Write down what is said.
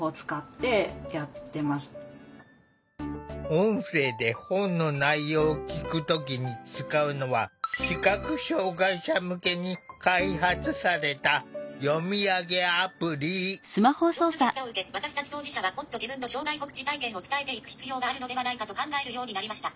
音声で本の内容を聞く時に使うのは視覚障害者向けに開発された「調査結果を受け私たち当事者はもっと自分の障害告知体験を伝えていく必要があるのではないかと考えるようになりました」。